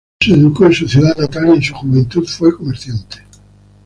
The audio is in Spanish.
Se educó en su ciudad natal y en su juventud fue comerciante.